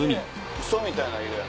ウソみたいな色や。